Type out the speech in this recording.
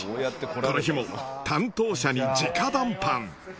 この日も担当者に直談判。